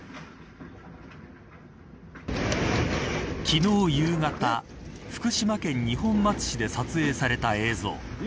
昨日、夕方福島県二本松市で撮影された映像。